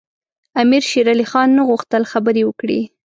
امیر شېرعلي خان نه غوښتل خبرې وکړي.